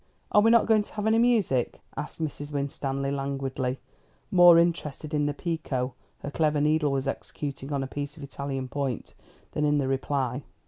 "Are we not going to have any music?" asked Mrs. Winstanley languidly, more interested in the picots her clever needle was executing on a piece of Italian point than in the reply.